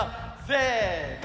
せの！